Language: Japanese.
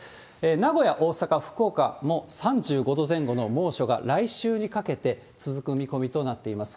名古屋、大阪、福岡も、３５度前後の猛暑が来週にかけて続く見込みとなっています。